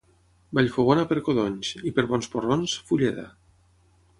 Vallfogona per codonys, i per bons porrons, Fulleda.